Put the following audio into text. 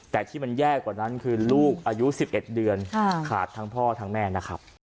แต่ที่มันแย่กว่านั้นคือลูกอายุ๑๑เดือนขาดทั้งพ่อทั้งแม่นะครับ